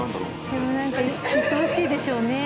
でもなんかいとおしいでしょうね。